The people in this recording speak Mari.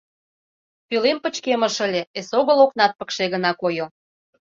Пӧлем пычкемыш ыле, эсогыл окнат пыкше гына койо.